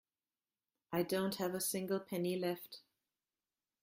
I don't have a single penny left.